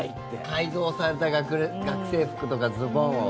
改造された学生服とかズボンを。